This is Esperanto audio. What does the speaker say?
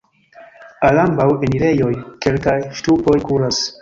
Al ambaŭ enirejoj kelkaj ŝtupoj kuras.